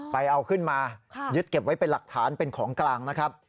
ไปเอาขึ้นมายึดเก็บไว้เป็นหลักฐานเป็นของกลางนะครับ